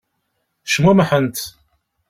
Cmumḥent.